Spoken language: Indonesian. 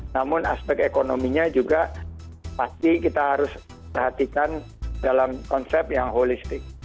namun aspek ekonominya juga pasti kita harus perhatikan dalam konsep yang holistik